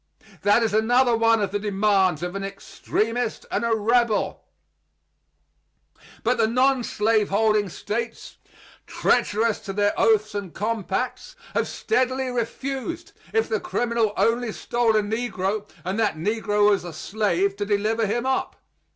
That is another one of the demands of an extremist and a rebel. But the nonslaveholding States, treacherous to their oaths and compacts, have steadily refused, if the criminal only stole a negro and that negro was a slave, to deliver him up.